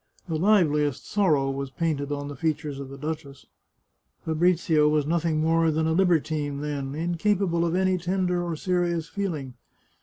The liveliest sorrow was painted on the features of the duchess. Fabrizio was nothing more than a libertine, then — inca pable of any tender or serious feeling